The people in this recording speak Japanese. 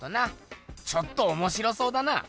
ちょっとおもしろそうだな。